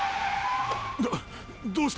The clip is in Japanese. どっどうした？